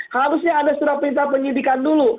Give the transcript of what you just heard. harusnya ada surat perintah penyidikan dulu